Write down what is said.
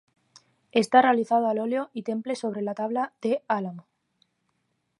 Está realizado al óleo y temple sobre tabla de álamo.